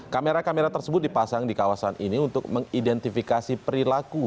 kamera kamera tersebut dipasang di kawasan ini untuk mengidentifikasi perilaku